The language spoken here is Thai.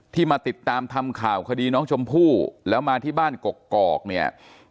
มาติดตามทำข่าวคดีน้องชมพู่แล้วมาที่บ้านกกอกเนี่ย